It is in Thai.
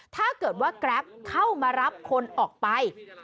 ถ้าเกิดว่าแกรปเข้ามารับคนออกไป